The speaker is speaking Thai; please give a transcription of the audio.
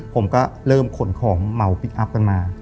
ผมก็เริ่มขนของเหมาพลิกอัพกันมา